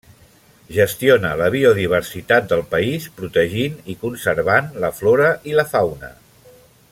Gestiona la biodiversitat del país, protegint i conservant la flora i la fauna.